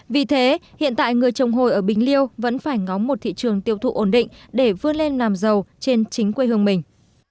vì thế hiện tại người trồng hồi ở bình liêu vẫn phải ngóng một thị trường tiêu thụ ổn định để vươn lên làm giàu trên chính quê hương mình